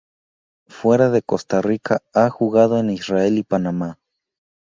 Fuera de Costa Rica ha jugado en Israel y Panamá.